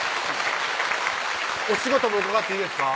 お仕事も伺っていいですか？